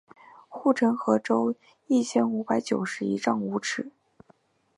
护城河周一千五百九十一丈五尺。